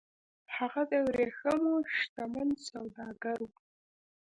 هغه د ورېښمو شتمن سوداګر و